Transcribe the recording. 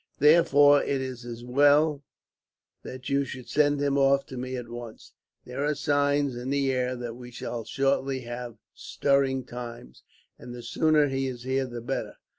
Therefore it is as well that you should send him off to me, at once. There are signs in the air that we shall shortly have stirring times, and the sooner he is here the better.